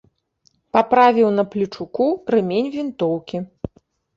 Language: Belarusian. Паправіў на плечуку рэмень вінтоўкі.